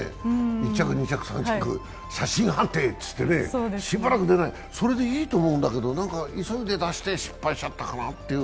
１着２着３着、写真判定っていってねしばらく出ない、それでいいと思うんだけど、急いで出して失敗しちゃったかなという。